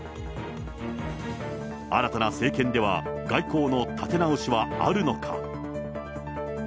新たな政権では、外交の立て直しはあるのか。